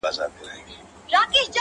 یاره ستا په خوله کي پښتنه ژبه شیرینه ده,